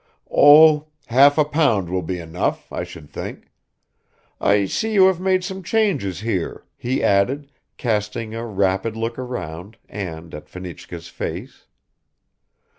"Oh, half a pound will be enough, I should think. I see you have made some changes here," he added, casting a rapid look around and at Fenichka's face.